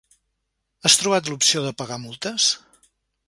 Has trobat l'opció de pagar multes?